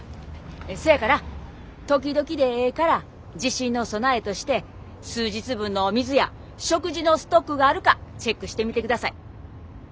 そやから時々でええから地震の備えとして数日分のお水や食事のストックがあるかチェックしてみてください。